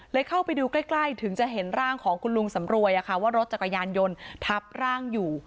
เข้าไปดูใกล้ถึงจะเห็นร่างของคุณลุงสำรวยว่ารถจักรยานยนต์ทับร่างอยู่